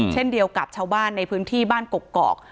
เช่นเดียวกับชาวบ้านในพื้นที่บ้านกกอก